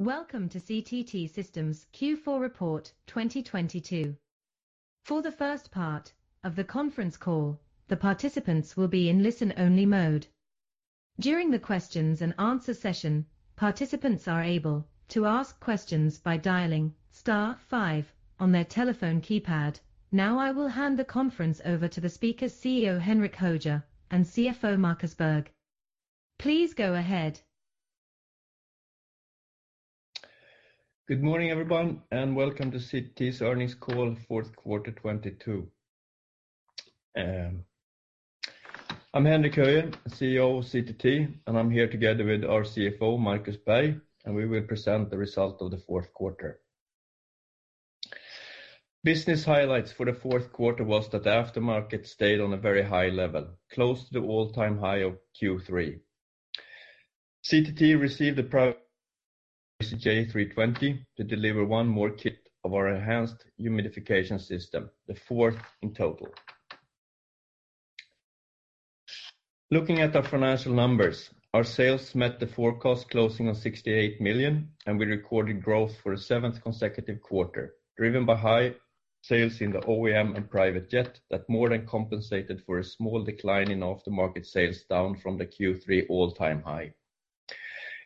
Welcome to CTT Systems Q4 report 2022. For the first part of the conference call, the participants will be in listen-only mode. During the questions-and-answer session, participants are able to ask questions by dialing star five on their telephone keypad. Now I will hand the conference over to the speakers, CEO Henrik Höjer and CFO Marcus Berg. Please go ahead. Good morning, everyone, welcome to CTT's earnings call fourth quarter 2022. I'm Henrik Höjer, CEO of CTT, I'm here together with our CFO, Marcus Berg, we will present the result of the fourth quarter. Business highlights for the fourth quarter was that the aftermarket stayed on a very high level, close to the all-time high of Q3. CTT received the ACJ320 to deliver one more kit of our Enhanced Humidification system, the fourth in total. Looking at our financial numbers, our sales met the forecast closing on 68 million, we recorded growth for a seventh consecutive quarter, driven by high sales in the OEM and private jet that more than compensated for a small decline in aftermarket sales down from the Q3 all-time high.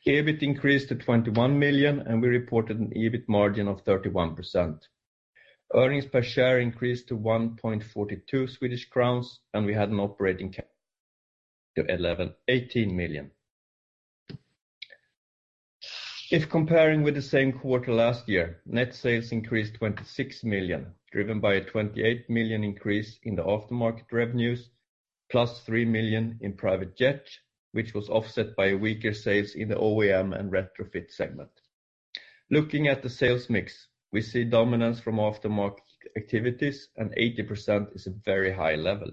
EBIT increased to 21 million, we reported an EBIT margin of 31%. Earnings per share increased to 1.42 Swedish crowns, and we had an operating to 18 million. If comparing with the same quarter last year, net sales increased 26 million, driven by a 28 million increase in the aftermarket revenues plus 3 million in private jet, which was offset by weaker sales in the OEM and retrofit segment. Looking at the sales mix, we see dominance from aftermarket activities, and 80% is a very high level.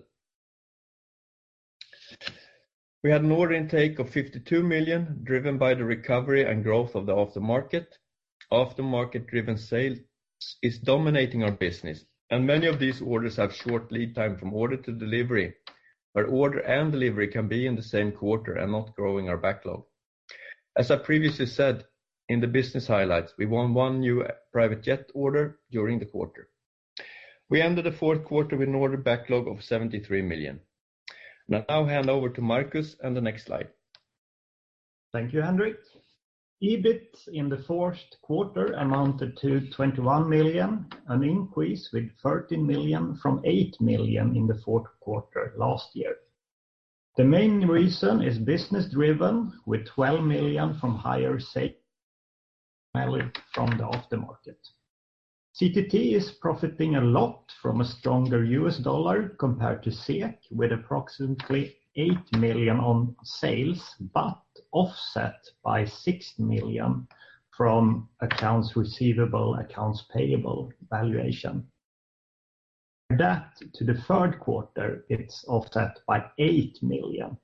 We had an order intake of 52 million, driven by the recovery and growth of the aftermarket. Aftermarket-driven sales is dominating our business, and many of these orders have short lead time from order to delivery, where order and delivery can be in the same quarter and not growing our backlog. As I previously said in the business highlights, we won one new private jet order during the quarter. We ended the fourth quarter with an order backlog of 73 million. Now I'll hand over to Marcus and the next slide. Thank you, Henrik. EBIT in the fourth quarter amounted to 21 million, an increase with 13 million from 8 million in the fourth quarter last year. The main reason is business driven with 12 million from higher from the aftermarket. CTT is profiting a lot from a stronger US dollar compared to SEK, with approximately 8 million on sales, offset by 6 million from accounts receivable, accounts payable valuation. That to the third quarter, it's offset by 8 million.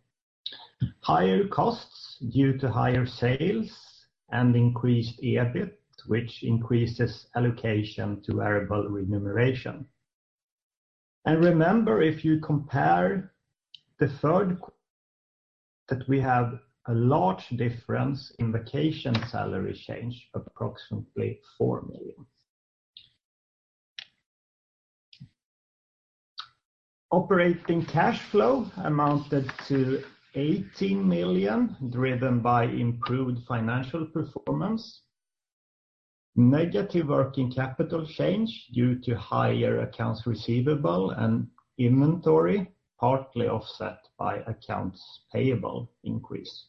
Higher costs due to higher sales and increased EBIT, which increases allocation to variable remuneration. Remember, if you compare the third that we have a large difference in vacation salary change, approximately SEK 4 million. Operating cash flow amounted to 18 million, driven by improved financial performance. Negative working capital change due to higher accounts receivable and inventory, partly offset by accounts payable increase.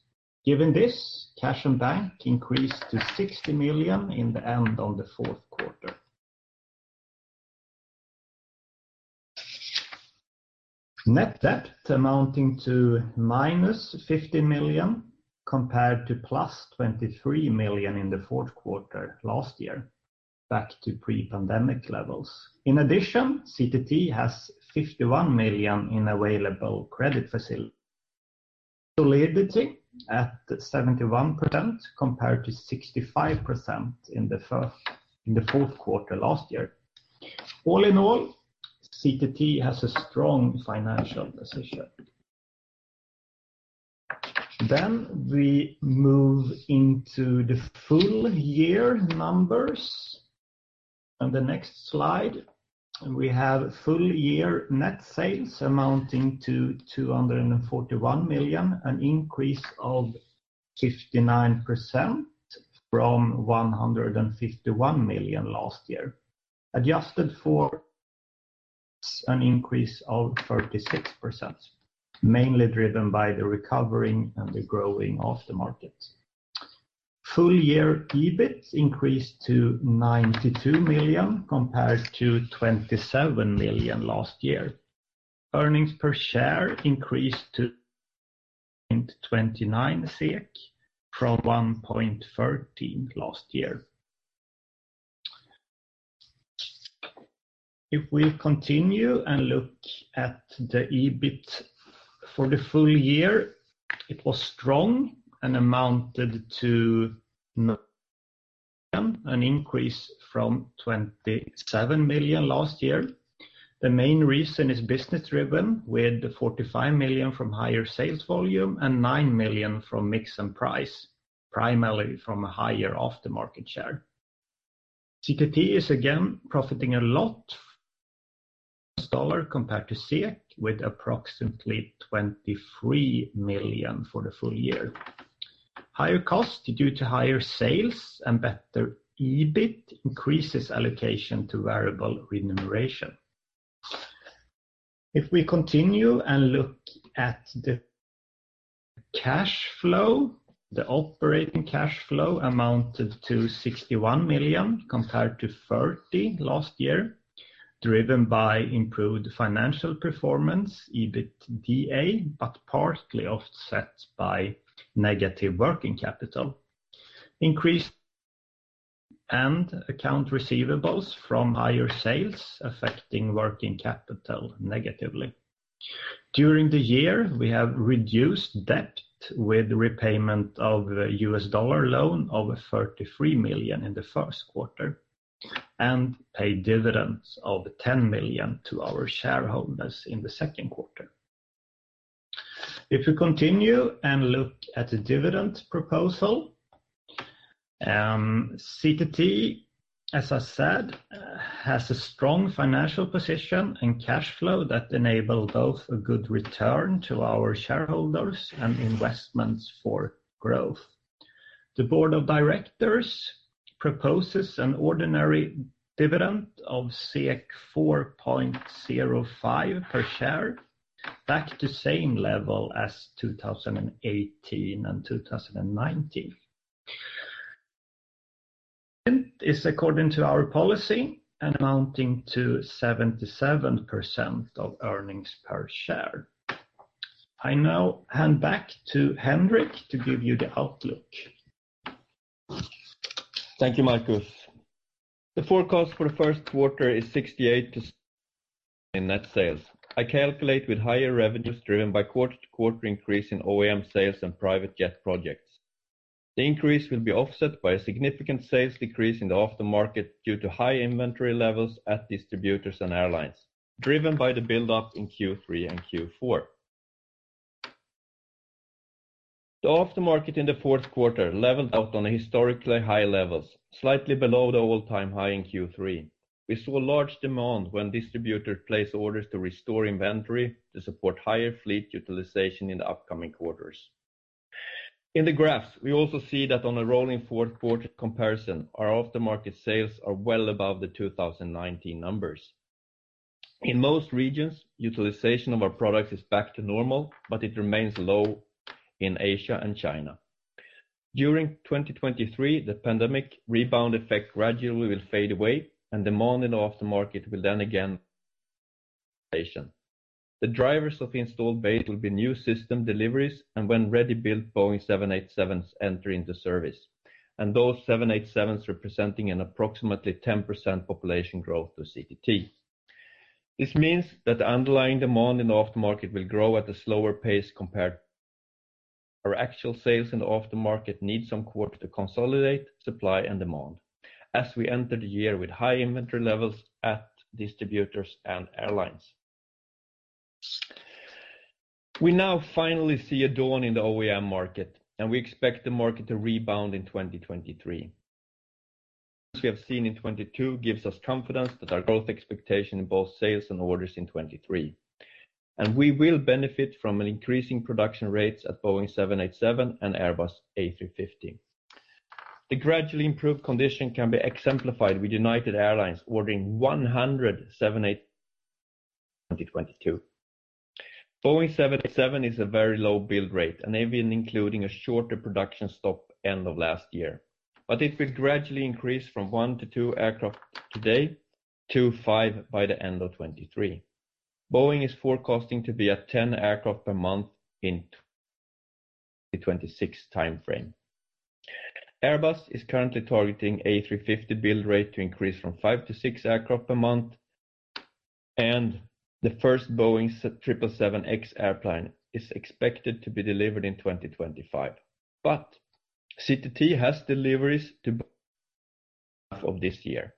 Given this, cash and bank increased to 60 million in the end of the fourth quarter. Net debt amounting to minus 50 million compared to plus 23 million in the fourth quarter last year, back to pre-pandemic levels. In addition, CTT has 51 million in available credit facility. Solidity at 71% compared to 65% in the fourth quarter last year. All in all, CTT has a strong financial position. We move into the full-year numbers on the next slide. We have full-year net sales amounting to 241 million, an increase of 59% from 151 million last year. Adjusted for an increase of 36%, mainly driven by the recovering and the growing of the market. Full year EBIT increased to 92 million compared to 27 million last year. Earnings per share increased to 1.29 SEK from 1.13 SEK last year. We continue and look at the EBIT for the full year, it was strong and amounted to an increase from 27 million SEK last year. The main reason is business-driven, with 45 million SEK from higher sales volume and 9 million SEK from mix and price, primarily from a higher aftermarket share. CTT is again profiting a lot, USD compared to SEK, with approximately 23 million SEK for the full-year. Higher costs due to higher sales and better EBIT increases allocation to variable remuneration. We continue and look at the cash flow, the operating cash flow amounted to 61 million SEK compared to 30 million SEK last year, driven by improved financial performance, EBITDA, but partly offset by negative working capital. Increased accounts receivables from higher sales affecting working capital negatively. During the year, we have reduced debt with repayment of US dollar loan of $33 million in the first quarter and paid dividends of $10 million to our shareholders in the second quarter. If we continue and look at the dividend proposal, CTT, as I said, has a strong financial position and cash flow that enable both a good return to our shareholders and investments for growth. The board of directors proposes an ordinary dividend of 4.05 per share, back to same level as 2018 and 2019. Is according to our policy amounting to 77% of earnings per share. I now hand back to Henrik to give you the outlook. Thank you, Marcus. The forecast for the first quarter is 68 to 69 in net sales. I calculate with higher revenues driven by quarter-to-quarter increase in OEM sales and private jet projects. The increase will be offset by a significant sales decrease in the aftermarket due to high inventory levels at distributors and airlines, driven by the build-up in Q3 and Q4. The aftermarket in the fourth quarter leveled out on historically high levels, slightly below the all-time high in Q3. We saw large demand when distributors placed orders to restore inventory to support higher fleet utilization in the upcoming quarters. In the graphs, we also see that on a rolling fourth quarter comparison, our aftermarket sales are well above the 2019 numbers. In most regions, utilization of our products is back to normal, but it remains low in Asia and China. During 2023, the pandemic rebound effect gradually will fade away and demand in the aftermarket will then again. The drivers of installed base will be new system deliveries and when ready-built Boeing 787s enter into service, and those 787s representing an approximately 10% population growth to CTT. This means that the underlying demand in the aftermarket will grow at a slower pace compared. Our actual sales in the aftermarket need some quarter to consolidate supply and demand as we enter the year with high inventory levels at distributors and airlines. We now finally see a dawn in the OEM market, and we expect the market to rebound in 2023. We have seen in 2022 gives us confidence that our growth expectation in both sales and orders in 2023. We will benefit from an increasing production rates at Boeing 787 and Airbus A350. The gradually improved condition can be exemplified with United Airlines ordering 100 787s in 2022. Boeing 787 is a very low build rate, and even including a shorter production stop end of last year. It will gradually increase from one to two aircraft today to five by the end of 2023. Boeing is forecasting to be at 10 aircraft per month in 2026 time frame. Airbus is currently targeting A350 build rate to increase from five to six aircraft per month, and the first Boeing 777X airplane is expected to be delivered in 2025. CTT has deliveries to of this year.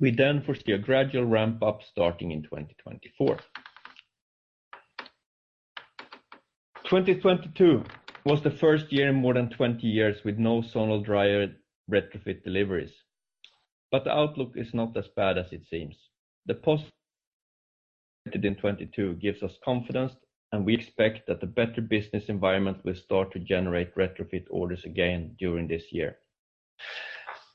We foresee a gradual ramp up starting in 2024. 2022 was the first year in more than 20 years with no Zonal Drying retrofit deliveries. The outlook is not as bad as it seems. The positive in 22 gives us confidence, and we expect that the better business environment will start to generate retrofit orders again during this year.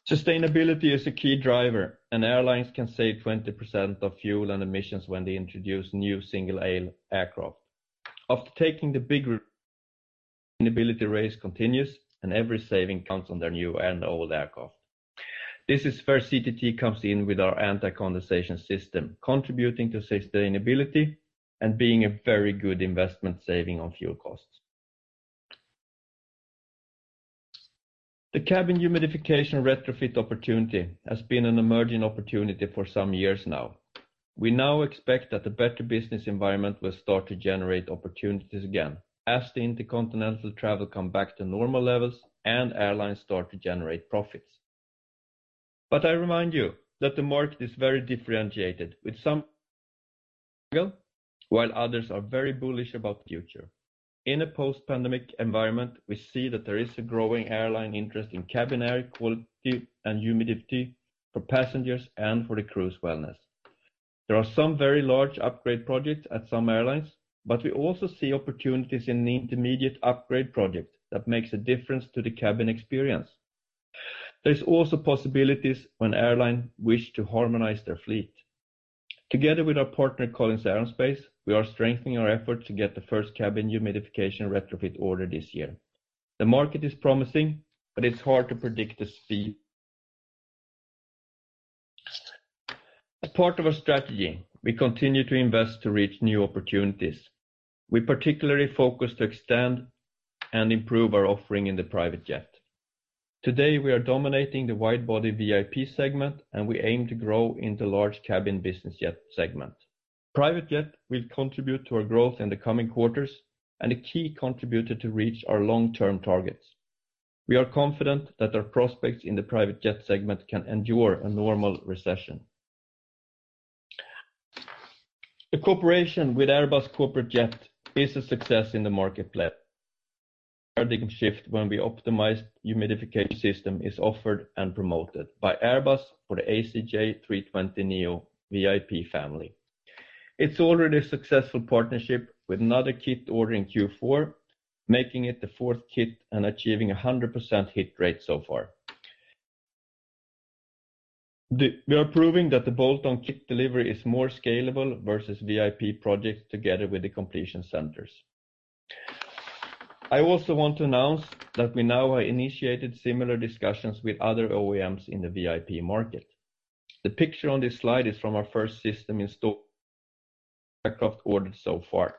Sustainability is a key driver, and airlines can save 20% of fuel and emissions when they introduce new single-aisle aircraft. After taking the big sustainability race continues, and every saving counts on their new and old aircraft. This is where CTT comes in with our Anti-Condensation system, contributing to sustainability and being a very good investment saving on fuel costs. The cabin humidification retrofit opportunity has been an emerging opportunity for some years now. We now expect that the better business environment will start to generate opportunities again as the intercontinental travel come back to normal levels and airlines start to generate profits. I remind you that the market is very differentiated, with some while others are very bullish about the future. In a post-pandemic environment, we see that there is a growing airline interest in cabin air quality and humidity for passengers and for the crew's wellness. There are some very large upgrade projects at some airlines, but we also see opportunities in the intermediate upgrade project that makes a difference to the cabin experience. There's also possibilities when airline wish to harmonize their fleet. Together with our partner, Collins Aerospace, we are strengthening our effort to get the first cabin humidification retrofit order this year. The market is promising, but it's hard to predict the speed. As part of our strategy, we continue to invest to reach new opportunities. We particularly focus to extend and improve our offering in the private jet. Today, we are dominating the wide-body VIP segment, and we aim to grow in the large-cabin business jet segment. Private jet will contribute to our growth in the coming quarters and a key contributor to reach our long-term targets. We are confident that our prospects in the private jet segment can endure a normal recession. The cooperation with Airbus Corporate Jets is a success in the marketplace. Paradigm shift when we optimized humidification system is offered and promoted by Airbus for the ACJ320neo VIP family. It's already a successful partnership with another kit order in Q4, making it the fourth kit and achieving 100% hit rate so far. We are proving that the bolt-on kit delivery is more scalable versus VIP projects together with the completion centers. I also want to announce that we now have initiated similar discussions with other OEMs in the VIP market. The picture on this slide is from our first system installed aircraft ordered so far.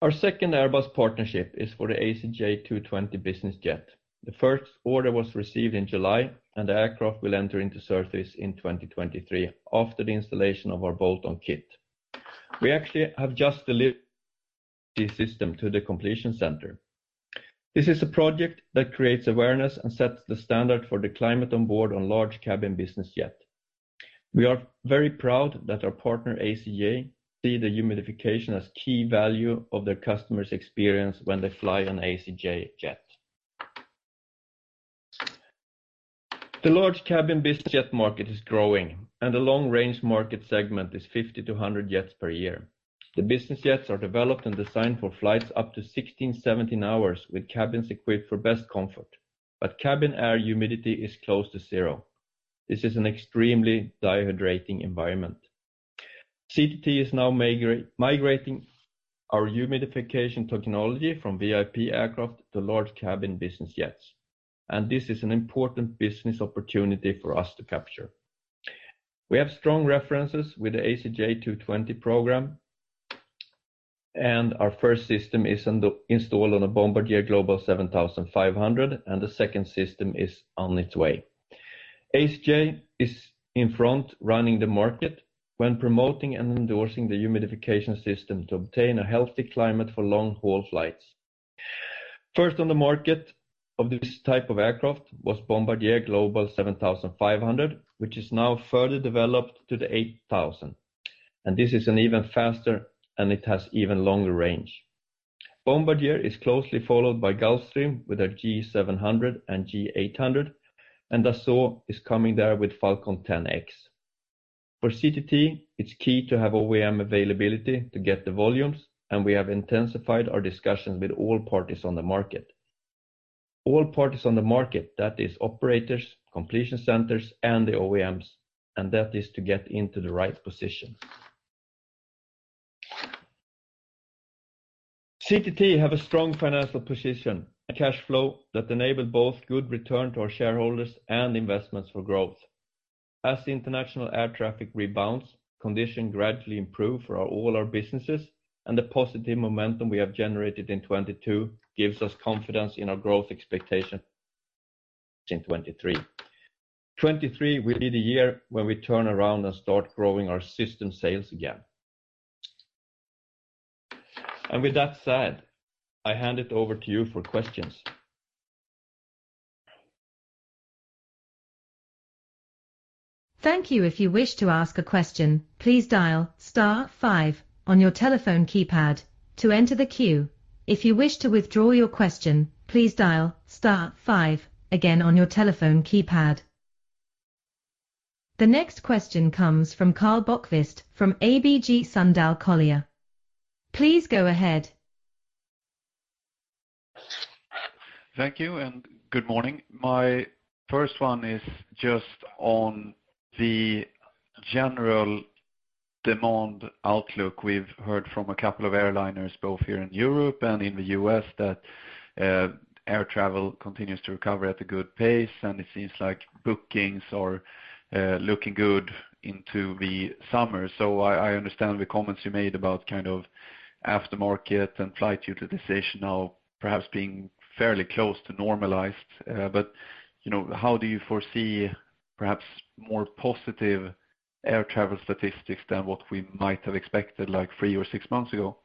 Our second Airbus partnership is for the ACJ TwoTwenty business jet. The first order was received in July, and the aircraft will enter into service in 2023 after the installation of our bolt-on kit. We actually have just delivered the system to the completion center. This is a project that creates awareness and sets the standard for the climate on board on large cabin business jet. We are very proud that our partner, ACJ, see the humidification as key value of their customer's experience when they fly an ACJ jet. The large cabin business jet market is growing. The long-range market segment is 50-100 jets per year. The business jets are developed and designed for flights up to 16, 17 hours with cabins equipped for best comfort. Cabin air humidity is close to zero. This is an extremely dehydrating environment. CTT is now migrating our humidification technology from VIP aircraft to large cabin business jets. This is an important business opportunity for us to capture. We have strong references with the ACJ TwoTwenty program, and our first system is installed on a Bombardier Global 7500, and the second system is on its way. ACJ is in front running the market when promoting and endorsing the humidification system to obtain a healthy climate for long-haul flights. First on the market of this type of aircraft was Bombardier Global 7500, which is now further developed to the 8000, and this is an even faster, and it has even longer range. Bombardier is closely followed by Gulfstream with their G700 and G800. Dassault is coming there with Falcon 10X. For CTT, it's key to have OEM availability to get the volumes. We have intensified our discussions with all parties on the market. All parties on the market, that is operators, completion centers, and the OEMs. That is to get into the right position. CTT have a strong financial position, a cash flow that enable both good return to our shareholders and investments for growth. As the international air traffic rebounds, conditions gradually improve for all our businesses, the positive momentum we have generated in 2022 gives us confidence in our growth expectation in 2023. 2023 will be the year when we turn around and start growing our system sales again. With that said, I hand it over to you for questions. Thank you. If you wish to ask a question, please dial star five on your telephone keypad to enter the queue. If you wish to withdraw your question, please dial star five again on your telephone keypad. The next question comes from Karl Bokvist from ABG Sundal Collier. Please go ahead. Thank you and good morning. My first one is just on the general demand outlook. We've heard from a couple of airliners, both here in Europe and in the U.S., that air travel continues to recover at a good pace, and it seems like bookings are looking good into the summer. I understand the comments you made about kind of aftermarket and flight utilization now perhaps being fairly close to normalized. But, you know, how do you foresee perhaps more positive air travel statistics than what we might have expected, like three or six months ago.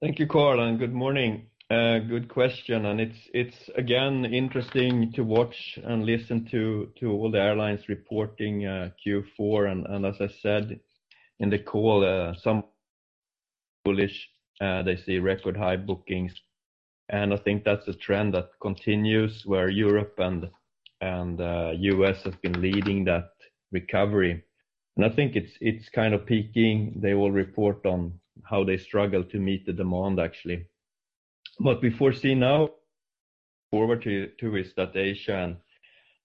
Thank you, Karl, and good morning. Good question. It's again, interesting to watch and listen to all the airlines reporting Q4. As I said in the call, some bullish, they see record high bookings. I think that's a trend that continues where Europe and the U.S. have been leading that recovery. I think it's kind of peaking. They will report on how they struggle to meet the demand, actually. We foresee now forward to this, that Asia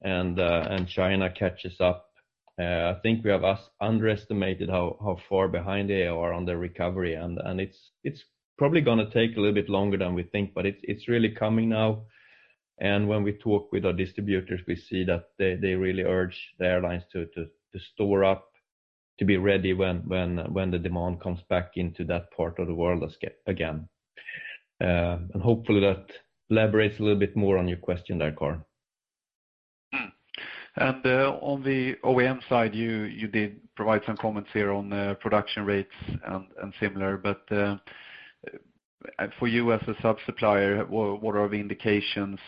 and China catches up. I think we have underestimated how far behind they are on the recovery, and it's probably gonna take a little bit longer than we think, but it's really coming now. When we talk with our distributors, we see that they really urge the airlines to store up to be ready when the demand comes back into that part of the world again. Hopefully, that elaborates a little bit more on your question there, Karl. On the OEM side, you did provide some comments here on production rates and similar, but for you as a sub-supplier, what are the indications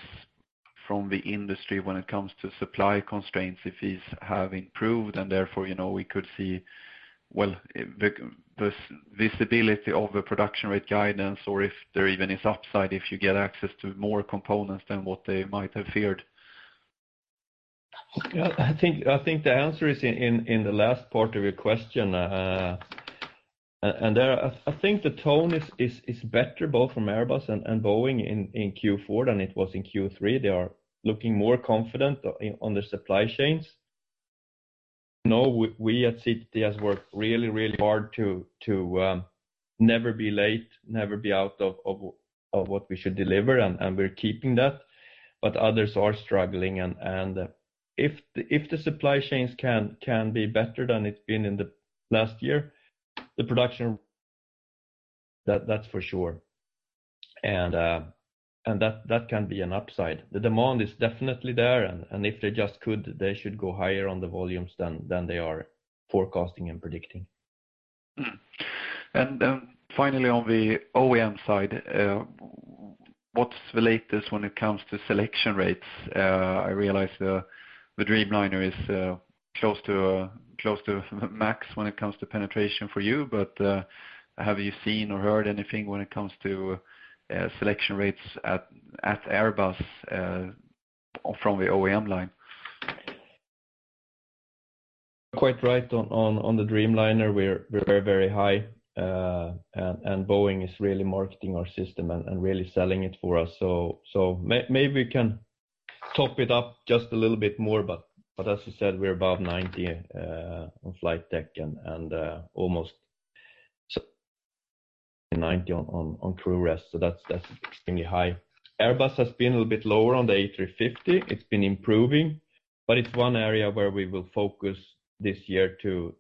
from the industry when it comes to supply constraints, if these have improved and therefore, you know, we could see, well, the visibility of a production rate guidance or if there even is upside, if you get access to more components than what they might have feared? Yeah. I think the answer is in the last part of your question. There, I think the tone is better both from Airbus and Boeing in Q4 than it was in Q3. They are looking more confident on the supply chains. Know we at CTT has worked really, really hard to never be late, never be out of what we should deliver, and we're keeping that, but others are struggling. If the supply chains can be better than it's been in the last year, the production that's for sure. That can be an upside. The demand is definitely there, if they just could, they should go higher on the volumes than they are forecasting and predicting. Finally, on the OEM side, what's the latest when it comes to selection rates? I realize the Dreamliner is close to max when it comes to penetration for you. Have you seen or heard anything when it comes to selection rates at Airbus from the OEM line? Quite right on the Dreamliner. We're very, very high. Boeing is really marketing our system and really selling it for us. Maybe we can top it up just a little bit more. As you said, we're above 90 on flight deck and almost 90 on crew rest. That's extremely high. Airbus has been a little bit lower on the A350. It's been improving, but it's one area where we will focus this year to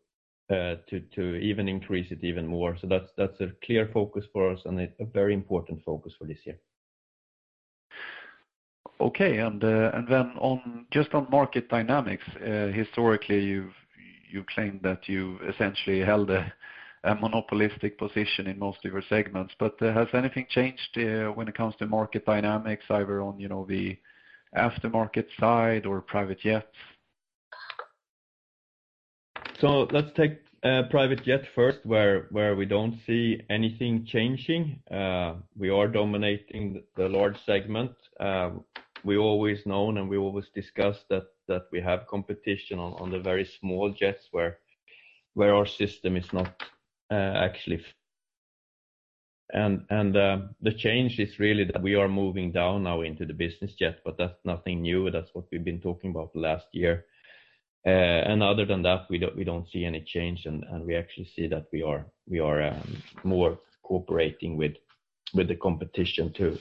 even increase it even more. That's a clear focus for us and a very important focus for this year. Okay. Then on, just on market dynamics, historically, you've claimed that you essentially held a monopolistic position in most of your segments, but has anything changed when it comes to market dynamics, either on, you know, the aftermarket side or private jets? Let's take private jet first, where we don't see anything changing. We are dominating the large segment. We always known and we always discussed that we have competition on the very small jets where our system is not actually. The change is really that we are moving down now into the business jet, that's nothing new. That's what we've been talking about last year. Other than that, we don't see any change, and we actually see that we are more cooperating with the competition to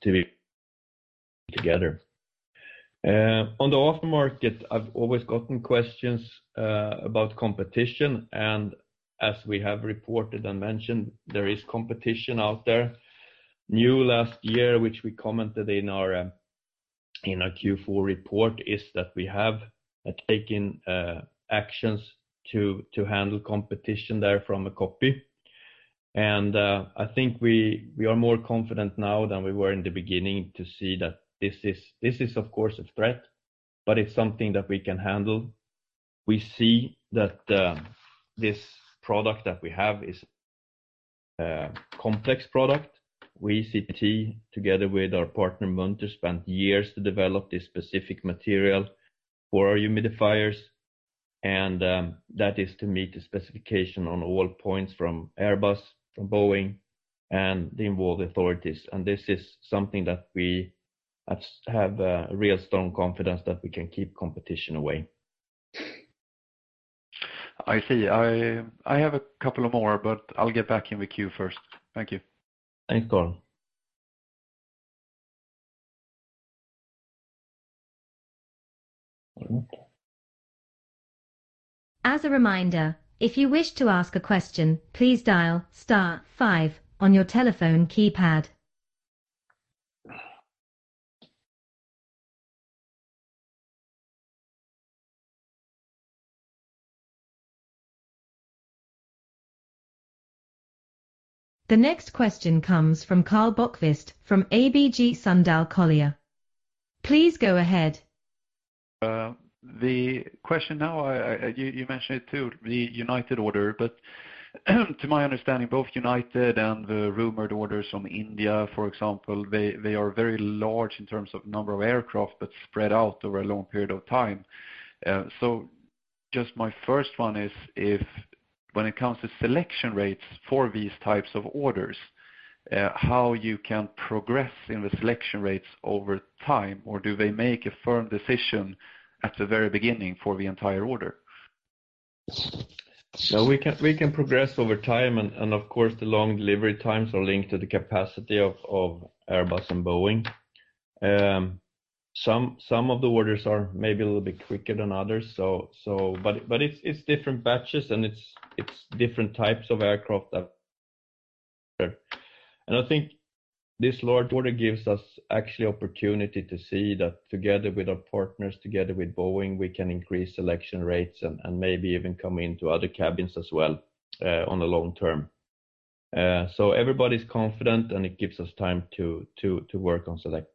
be together. On the aftermarket, I've always gotten questions about competition, as we have reported and mentioned, there is competition out there. New last year, which we commented in our Q4 report, is that we have taken actions to handle competition there from a copy. I think we are more confident now than we were in the beginning to see that this is of course a threat, but it's something that we can handle. We see that this product that we have is a complex product. We CTT, together with our partner, Munters, spent years to develop this specific material for our humidifiers, and that is to meet the specification on all points from Airbus, from Boeing and the involved authorities. This is something that we have a real strong confidence that we can keep competition away. I see. I have a couple of more, but I'll get back in the queue first. Thank you. Thanks, Karl. As a reminder, if you wish to ask a question, please dial star five on your telephone keypad. The next question comes from Karl Bokvist from ABG Sundal Collier. Please go ahead. The question now, you mentioned it too, the United order. To my understanding, both United and the rumored orders from India, for example, they are very large in terms of number of aircraft, but spread out over a long period of time. My first one is if when it comes to selection rates for these types of orders, how you can progress in the selection rates over time, or do they make a firm decision at the very beginning for the entire order? We can progress over time and of course, the long delivery times are linked to the capacity of Airbus and Boeing. Some of the orders are maybe a little bit quicker than others, but it's different batches and it's different types of aircraft that I think this large order gives us actually opportunity to see that together with our partners, together with Boeing, we can increase selection rates and maybe even come into other cabins as well, on the long term. Everybody's confident, and it gives us time to work on select.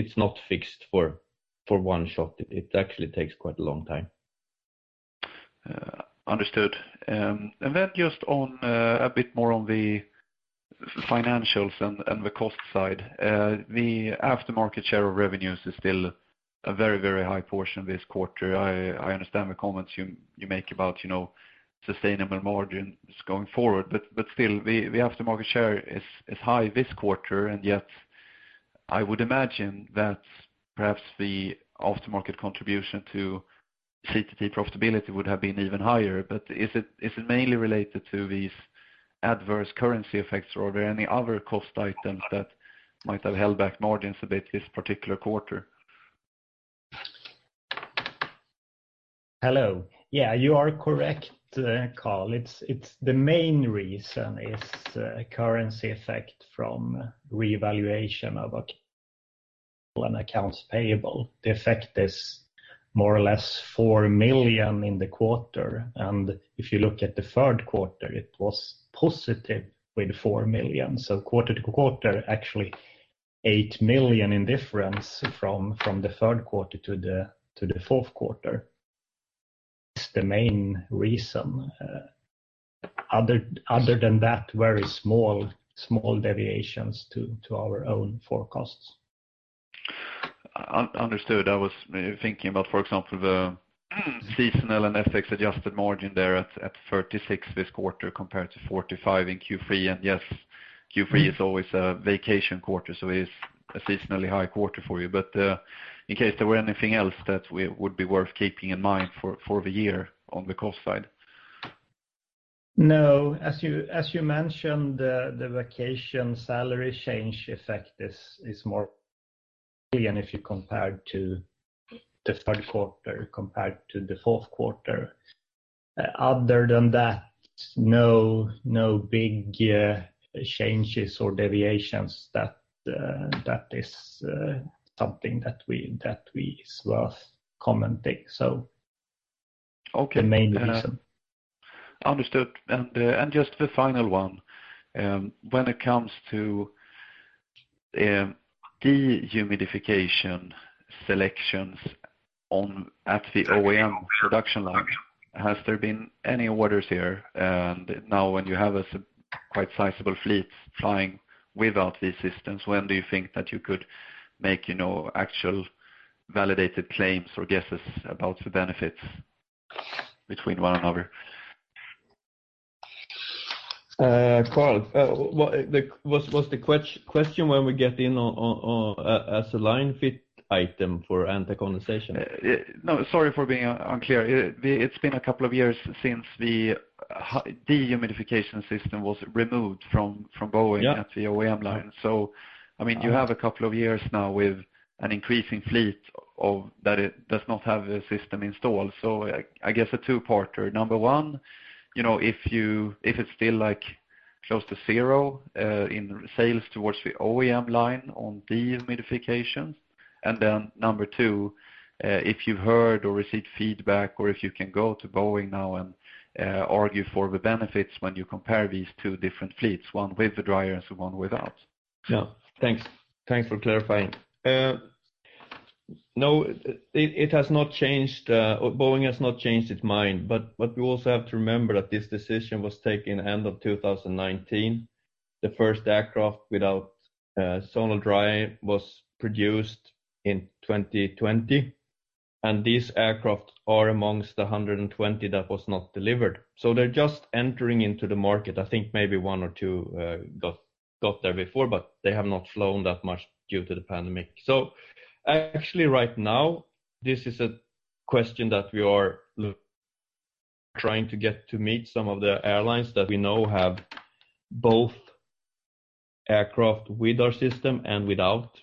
It's not fixed for one shot. It actually takes quite a long time. Understood. Just on a bit more on the financials and the cost side. The aftermarket share of revenues is still a very, very high portion this quarter. I understand the comments you make about, you know, sustainable margins going forward. Still, the aftermarket share is high this quarter, and yet I would imagine that perhaps the aftermarket contribution to CTT profitability would have been even higher. Is it mainly related to these adverse currency effects or are there any other cost items that might have held back margins a bit this particular quarter? Hello. Yeah, you are correct, Karl. It's the main reason is the currency effect from revaluation of a and accounts payable. The effect is more or less 4 million in the quarter. If you look at the third quarter, it was positive with 4 million. Quarter-to-quarter, actually 8 million in difference from the third quarter to the fourth quarter. It's the main reason. Other than that, very small deviations to our own forecasts. Understood. I was thinking about, for example, the seasonal and FX-adjusted margin there at 36% this quarter, compared to 45% in Q3. Yes, Q3 is always a vacation quarter, so it is a seasonally high quarter for you. In case there were anything else that would be worth keeping in mind for the year on the cost side. No. As you mentioned, the vacation salary change effect is more and if you compare to the third quarter compared to the fourth quarter. Other than that, no big changes or deviations that is something that we is worth commenting. Okay. The main reason. Understood. Just the final one. When it comes to dehumidification selections at the OEM production line, has there been any orders here? Now when you have a quite sizable fleet flying without these systems, when do you think that you could make, you know, actual validated claims or guesses about the benefits between one another? Karl, what was the question when we get in on as a line-fit item for Anti-Condensation? no, sorry for being unclear. It's been a couple of years since the dehumidification system was removed from Boeing. Yeah. I mean, you have a couple of years now with an increasing fleet that it does not have a system installed. I guess a two-parter. Number one, you know, if it's still like close to zero in sales towards the OEM line on dehumidification. Number two, if you've heard or received feedback or if you can go to Boeing now and argue for the benefits when you compare these two different fleets, one with the dryers and one without? Yeah. Thanks. Thanks for clarifying. No, it has not changed. Boeing has not changed its mind. What we also have to remember that this decision was taken end of 2019. The first aircraft without Zonal Drying was produced in 2020, and these aircraft are amongst the 120 that was not delivered. They're just entering into the market. I think maybe one or two got there before, but they have not flown that much due to the pandemic. Actually right now, this is a question that we are trying to get to meet some of the airlines that we know have both aircraft with our system and without,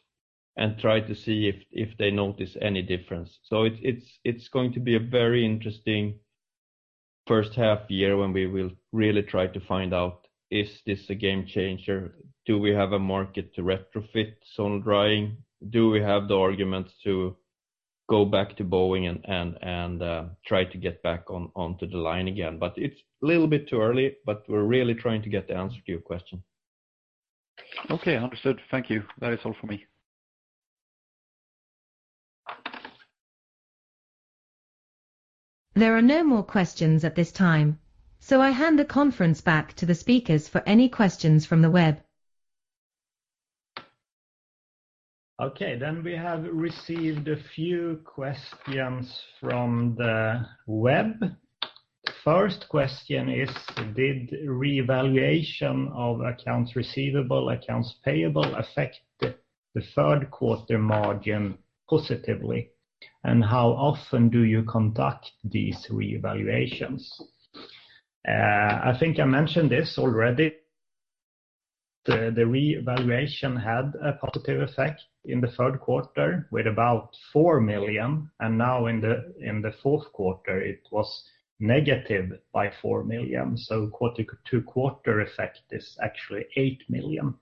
and try to see if they notice any difference. It's going to be a very interesting first half year when we will really try to find out, is this a game changer? Do we have a market to retrofit Zonal Drying? Do we have the arguments to go back to Boeing and try to get back onto the line again? It's a little bit too early, but we're really trying to get the answer to your question. Okay, understood. Thank you. That is all for me. There are no more questions at this time, so I hand the conference back to the speakers for any questions from the web. Okay. We have received a few questions from the web. First question is, did revaluation of accounts receivable, accounts payable affect the third quarter margin positively? How often do you conduct these revaluations? I think I mentioned this already. The revaluation had a positive effect in the third quarter with about 4 million, and now in the fourth quarter, it was negative by 4 million. Quarter-to-quarter effect is actually 8 million.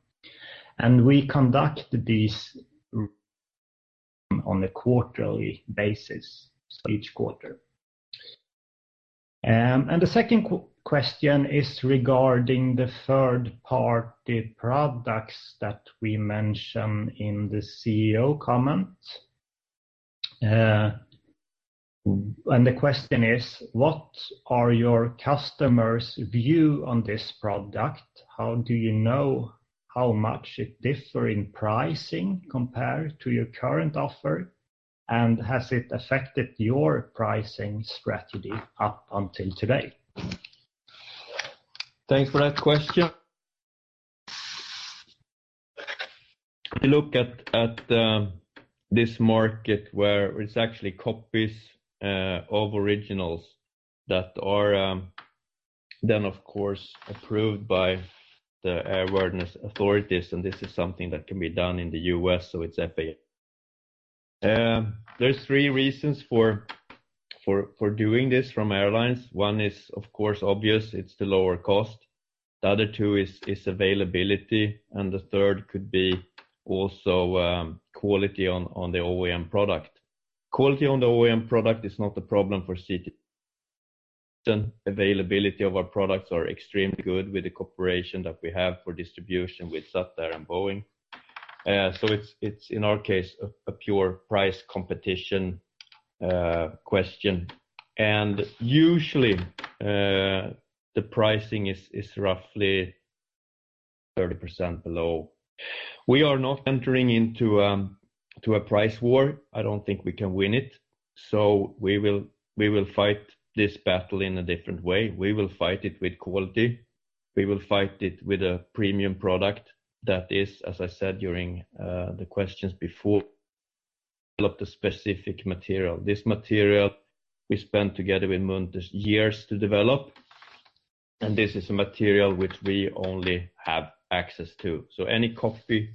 We conduct these on a quarterly basis, so each quarter. The second question is regarding the third-party products that we mention in the CEO comment. The question is, what are your customers view on this product? How do you know how much it differ in pricing compared to your current offer? Has it affected your pricing strategy up until today? Thanks for that question. Look at this market where it's actually copies of originals that are then of course, approved by the airworthiness authorities. This is something that can be done in the U.S., so it's FAA. There's three reasons for doing this from airlines. One is of course obvious, it's the lower cost. The other two is availability. The third could be also quality on the OEM product. Quality on the OEM product is not a problem for CTT. Availability of our products are extremely good with the cooperation that we have for distribution with Satair and Boeing. It's in our case, a pure price competition question. Usually, the pricing is roughly 30% below. We are not entering into a price war. I don't think we can win it. We will fight this battle in a different way. We will fight it with quality. We will fight it with a premium product that is, as I said, during the questions before, develop the specific material. This material we spent together with Munters years to develop, and this is a material which we only have access to. Any copy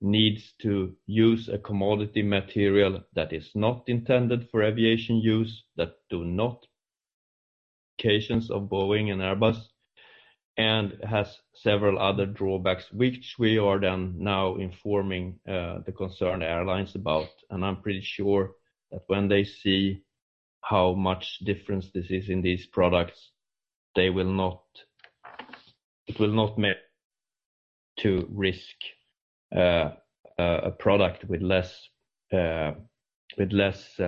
needs to use a commodity material that is not intended for aviation use, that cases of Boeing and Airbus, and has several other drawbacks, which we are then now informing the concerned airlines about. I'm pretty sure that when they see how much difference this is in these products, it will not make to risk a product with less, with less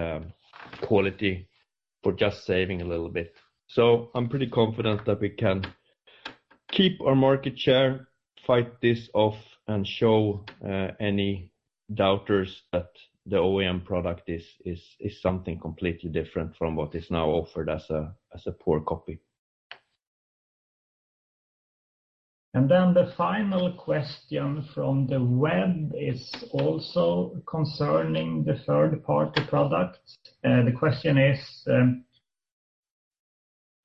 quality for just saving a little bit. I'm pretty confident that we can keep our market share, fight this off, and show any doubters that the OEM product is something completely different from what is now offered as a poor copy. The final question from the web is also concerning the third-party product. The question is,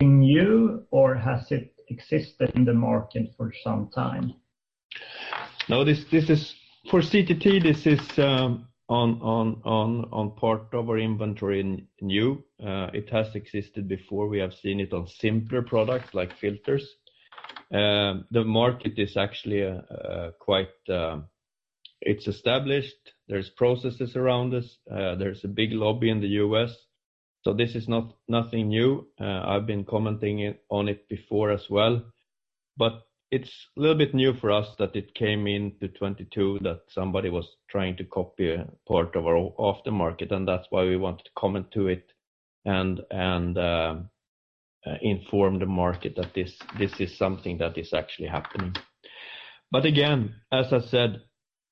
new or has it existed in the market for some time? This is for CTT, this is on part of our inventory new. It has existed before. We have seen it on simpler products like filters. The market is actually quite, it's established. There's processes around this. There's a big lobby in the U.S., so this is nothing new. I've been commenting on it before as well. It's a little bit new for us that it came into 2022 that somebody was trying to copy a part of our aftermarket, and that's why we wanted to comment to it and inform the market that this is something that is actually happening. Again, as I said,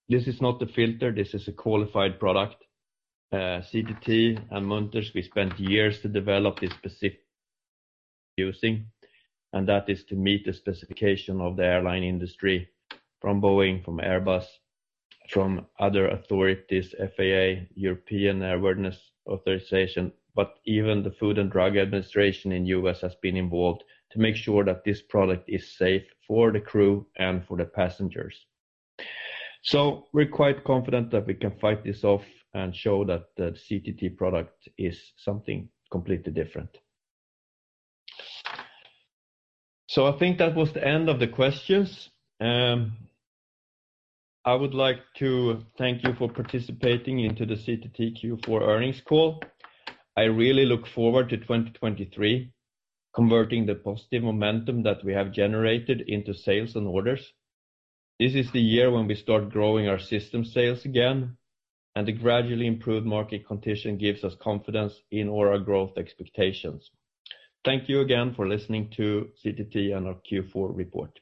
this is not a filter, this is a qualified product. CTT and Munters, we spent years to develop this specific using, to meet the specification of the airline industry from Boeing, from Airbus, from other authorities, FAA, European Airworthiness Authorization. Even the Food and Drug Administration in U.S. has been involved to make sure that this product is safe for the crew and for the passengers. We're quite confident that we can fight this off and show that the CTT product is something completely different. I think that was the end of the questions. I would like to thank you for participating into the CTT Q4 earnings call. I really look forward to 2023, converting the positive momentum that we have generated into sales and orders. This is the year when we start growing our system sales again, and the gradually improved market condition gives us confidence in all our growth expectations. Thank you again for listening to CTT and our Q4 report.